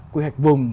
quy hoạch vùng